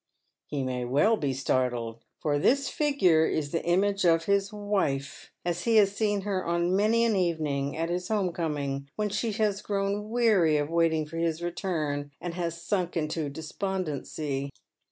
He may well be startled, for this figure is the image of his wife as he has seen her on many an evening, at his home coming, when she has grown vveaiy of waiting for his return, and has sunk into despondency.